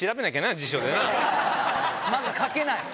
まず書けない。